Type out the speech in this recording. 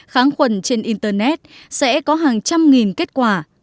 kháng khuẩn trên internet sẽ có hàng trăm nghìn kết quả